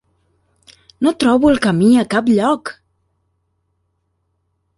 No trobo el camí a cap lloc!